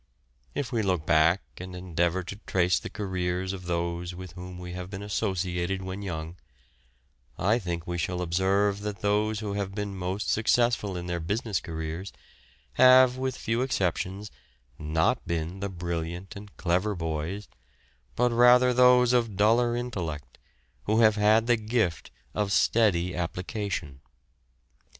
If we look back and endeavour to trace the careers of those with whom we have been associated when young, I think we shall observe that those who have been most successful in their business careers have, with few exceptions, not been the brilliant and clever boys, but rather those of duller intellect, who have had the gift of steady application.